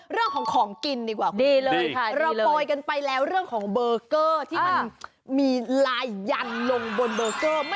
เรื่องของของกินดีกว่าคุณผู้ชมค่ะ